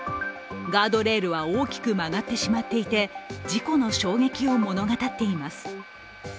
ガードレールは大きく曲がってしまっていて事故の衝撃を物語っています。